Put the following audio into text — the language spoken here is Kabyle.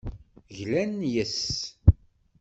Glant yes-s.